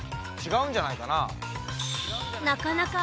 ちがうんじゃないかな？